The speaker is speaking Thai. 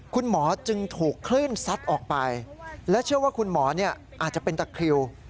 คุณหมอจึงถูกคลื่นซัดออกไปและเชื่อว่าคุณหมออาจจะเป็นตะคริว